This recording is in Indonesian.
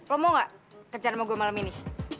lo mau gak kejar sama gue malem ini